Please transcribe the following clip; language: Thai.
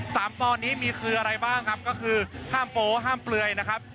ปอนดนี้มีคืออะไรบ้างครับก็คือห้ามโป๊ห้ามเปลือยนะครับ